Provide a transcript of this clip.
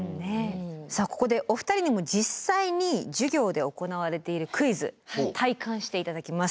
さあここでお二人にも実際に授業で行われているクイズ体感して頂きます。